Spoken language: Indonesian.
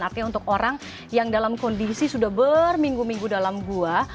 artinya untuk orang yang dalam kondisi sudah berminggu minggu dalam gua